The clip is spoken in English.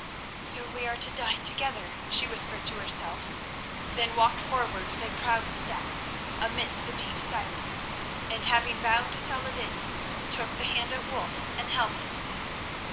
"So we are to die together," she whispered to herself, then walked forward with a proud step amidst the deep silence, and, having bowed to Saladin, took the hand of Wulf and held it.